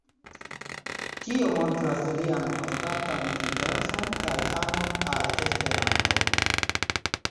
Tio montras lian konstantan intereson kaj amon al Esperanto.